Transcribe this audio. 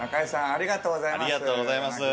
ありがとうございます。